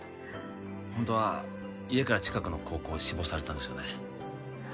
ホントは家から近くの高校を志望されてたんですよね